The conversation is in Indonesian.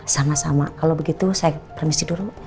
sama sama kalau begitu saya permisi dulu